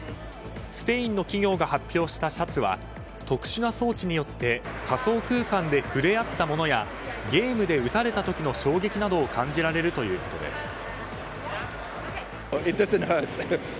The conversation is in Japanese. スペインの企業が発表したシャツは特殊な装置によって仮想空間で触れ合ったものやゲームで撃たれた時の衝撃などを感じられるということです。